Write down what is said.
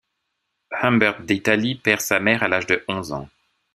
Humbert d'Italie perd sa mère à l'âge de onze ans.